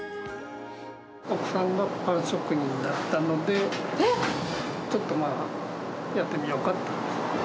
奥さんがパン職人だったので、ちょっとまあ、やってみようかって。